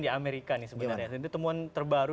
di amerika nih sebenarnya itu temuan terbaru